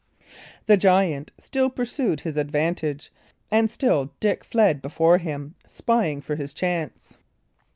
The giant still pursued his advantage, and still Dick fled before him, spying for his chance.